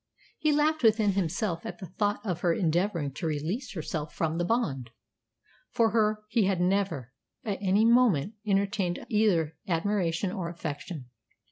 He laughed within himself at the thought of her endeavouring to release herself from the bond. For her he had never, at any moment, entertained either admiration or affection.